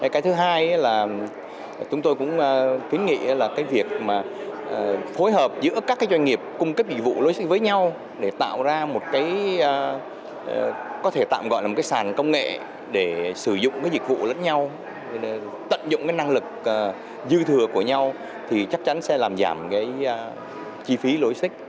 cái thứ hai là chúng tôi cũng kiến nghị việc phối hợp giữa các doanh nghiệp cung cấp dịch vụ logistics với nhau để tạo ra một sàn công nghệ để sử dụng dịch vụ lẫn nhau tận dụng năng lực dư thừa của nhau thì chắc chắn sẽ làm giảm chi phí logistics